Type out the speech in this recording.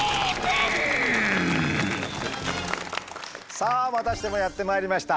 さあまたしてもやってまいりました。